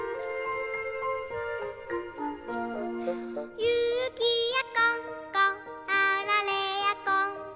「ゆきやこんこあられやこんこ」